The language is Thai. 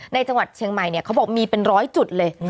จังหวัดเชียงใหม่เนี่ยเขาบอกมีเป็นร้อยจุดเลย